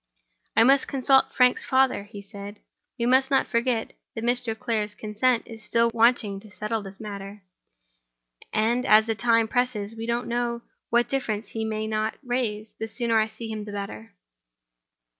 "I must consult Frank's father," he replied. "We must not forget that Mr. Clare's consent is still wanting to settle this matter. And as time presses, and we don't know what difficulties he may not raise, the sooner I see him the better."